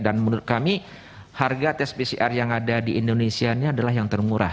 dan menurut kami harga tes pcr yang ada di indonesia ini adalah yang termurah